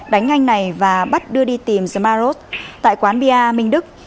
đánh anh này và bắt đưa đi tìm zmaros tại quán bia minh đức